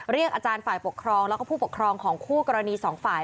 อาจารย์ฝ่ายปกครองแล้วก็ผู้ปกครองของคู่กรณีสองฝ่าย